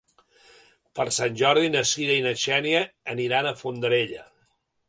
Per Sant Jordi na Sira i na Xènia aniran a Fondarella.